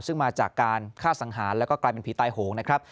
ซึ่งมาจากการฆ่าสังหารแล้วก็กลายเป็นผีตายโหงนะครับ